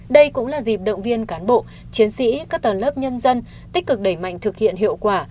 đây cũng là dịp động viên cán bộ chiến sĩ các tầng lớp nhân dân tích cực đẩy mạnh thực hiện hiệu quả